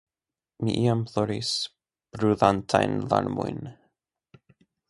Mi iam ploris brulantajn larmojn.